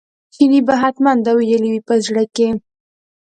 چیني به حتمي دا ویلي وي په زړه کې.